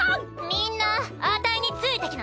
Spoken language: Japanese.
みんなあたいについてきな。